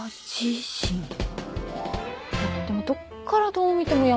いやでもどっからどう見ても山本君。